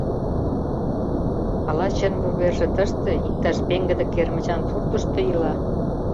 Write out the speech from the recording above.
— Ала чын вуверже тыште, иктаж пеҥгыде кермычан суртышто, ила.